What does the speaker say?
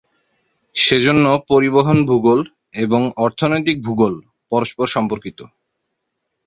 সেজন্য পরিবহন ভূগোল এবং অর্থনৈতিক ভূগোল পরস্পর সম্পর্কিত।